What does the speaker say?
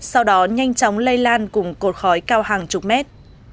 sau đó nhanh chóng lây lan cùng cột khói cao hàng chục mét